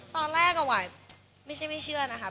ตอนแรกหวายไม่ใช่ไม่เชื่อนะคะ